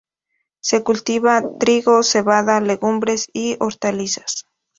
Se cultiva trigo, cebada, legumbres y hortalizas.